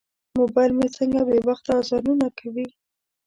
موبایل مې څنګه بې وخته اذانونه کوي.